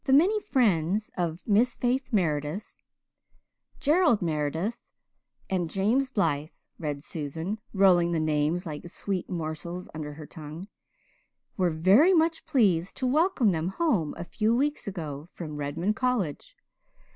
"'The many friends of Miss Faith Meredith, Gerald Meredith and James Blythe,'" read Susan, rolling the names like sweet morsels under her tongue, "'were very much pleased to welcome them home a few weeks ago from Redmond College.